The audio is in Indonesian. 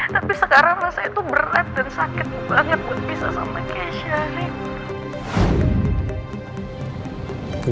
tapi sekarang rasa itu berat dan sakit banget buat bisa sama kesha rik